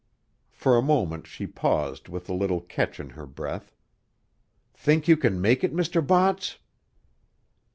For a moment she paused with a little catch in her breath. "Think you kin make it, Mr. Botts?"